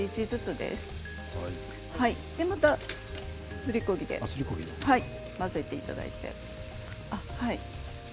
で、またすりこ木で混ぜていただいて。